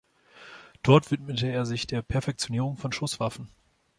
Dort widmete er sich der Perfektionierung von Schusswaffen.